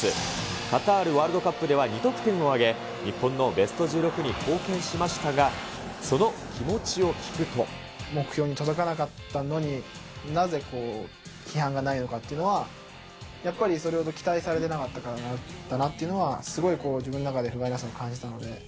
カタールワールドカップでは２得点を挙げ、日本のベスト１６に貢献しましたが、その気持ちを聞く目標に届かなかったのに、なぜ批判がないのかっていうのは、やっぱりそれほど期待されてなかったからかなというのはすごいこう、自分の中でふがいなさを感じたので。